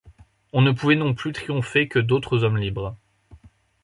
On ne pouvait non plus triompher que d'autres hommes libres.